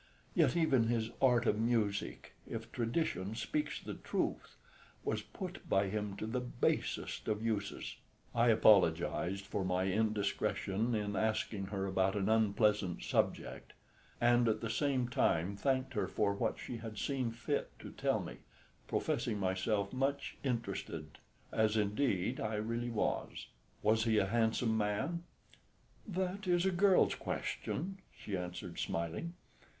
Yet even his art of music, if tradition speaks the truth, was put by him to the basest of uses." I apologised for my indiscretion in asking her about an unpleasant subject, and at the same time thanked her for what she had seen fit to tell me, professing myself much interested, as indeed I really was. "Was he a handsome man?" "That is a girl's question," she answered, smiling.